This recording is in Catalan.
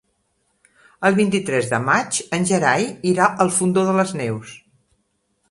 El vint-i-tres de maig en Gerai irà al Fondó de les Neus.